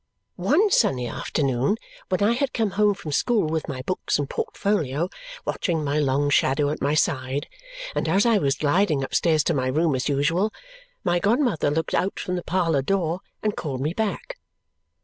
One sunny afternoon when I had come home from school with my books and portfolio, watching my long shadow at my side, and as I was gliding upstairs to my room as usual, my godmother looked out of the parlour door and called me back.